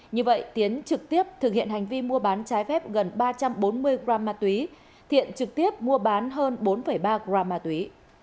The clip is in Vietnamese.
như vậy tiến trực tiếp thực hiện hành vi mua bán trái phép gần ba trăm bốn mươi gram ma túy thiện trực tiếp mua bán hơn bốn ba gram ma túy